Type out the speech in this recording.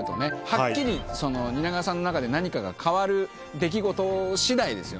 はっきり蜷川さんの中で何かが変わる出来事次第ですよね。